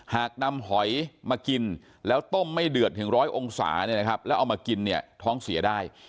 หากนำหอยมากินแล้วต้มไม่เดือดถึงร้อยองศาเนี่ยนะครับแล้วเอามากินเนี่ยท้องเสียได้